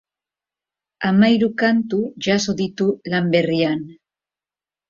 Hamahiru kantu jaso ditu lan berrian.